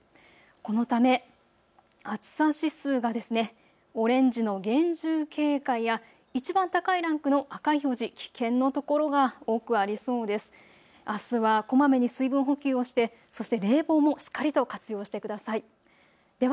このため暑さ指数がオレンジの厳重警戒やいちばん高いランクの赤い表示、危険の所が多くありそうです。